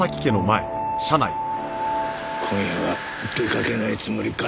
今夜は出かけないつもりか。